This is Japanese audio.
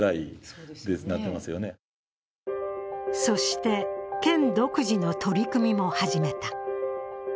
そして、県独自の取り組みも始めた。